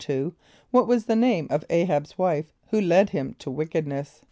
= What was the name of [=A]´h[)a]b's wife, who led him to wickedness?